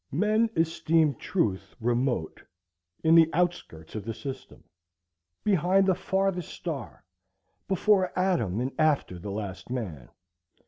Men esteem truth remote, in the outskirts of the system, behind the farthest star, before Adam and after the last man.